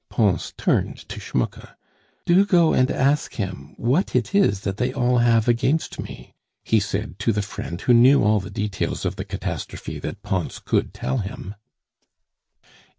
Pons turned to Schmucke. "Do go and ask him what it is that they all have against me," he said to the friend who knew all the details of the catastrophe that Pons could tell him.